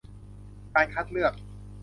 การคัดเลือก